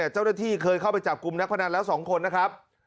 เจ้าหน้าที่เคยเข้าไปจับกลุ่มนักพนันแล้ว๒คนนะครับ